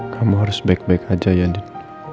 kamu harus baik baik saja ya din